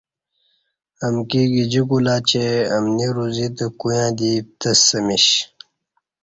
امکی گجی کولہ چہ امنی روزی تہ کویاں دی پتسمیش